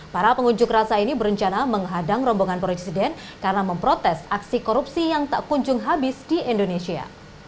para pengunjuk rasa ini berencana menghadang rombongan presiden karena memprotes aksi korupsi yang tak kunjung habis di indonesia